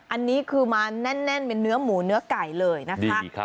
อันนี้คือมาแน่นเป็นเนื้อหมูเนื้อไก่เลยนะคะ